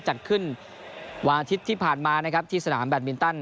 จัดขึ้นวันอาทิตย์ที่ผ่านมานะครับที่สนามแบตมินตัน